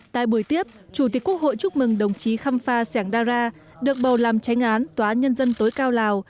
tại buổi tiếp chủ tịch quốc hội chúc mừng đồng chí khăm pha sẻng đa ra được bầu làm tranh án tòa án nhân dân tối cao lào